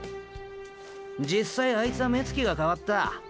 実際あいつは目つきがかわった。